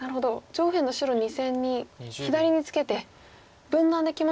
上辺の白２線に左にツケて分断できますか。